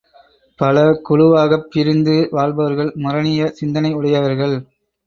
பல குழுவாகப் பிரிந்து வாழ்பவர்கள் முரணிய சிந்தனை உடையவர்கள்.